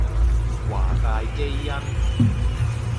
華大基因